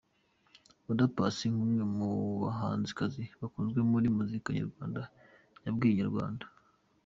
Oda Paccy nk’umwe mu bahanzikazi bakunzwe muri muzika nyarwanda yabwiye Inyarwanda.